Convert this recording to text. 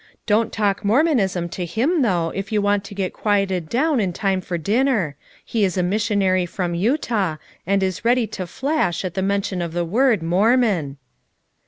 Don't talk Mormonism to him, though, if you want to get quieted down in time for dinner; he is a missionary from Utah, and is ready to flash at the mention of the word, 'Mormon.'